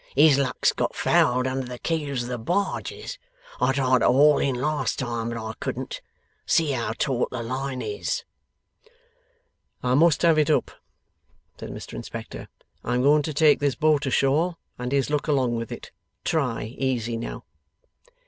His luck's got fouled under the keels of the barges. I tried to haul in last time, but I couldn't. See how taut the line is!' 'I must have it up,' said Mr Inspector. 'I am going to take this boat ashore, and his luck along with it. Try easy now.